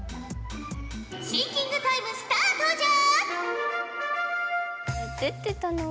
シンキングタイムスタートじゃ！